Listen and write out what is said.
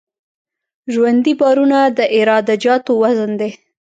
ژوندي بارونه د عراده جاتو وزن دی